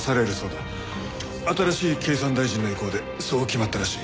新しい経産大臣の意向でそう決まったらしい。